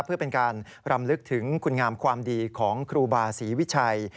เพื่อเป็นการรำลึกถึงคุณงามความดีของครูบาศรีวิชัย